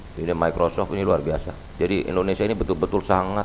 hai pilih microsoft ini luar biasa jadi indonesia ini betul betul sangat